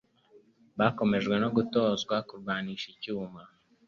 Bakomeje no gutozwa kurwanisha icyuma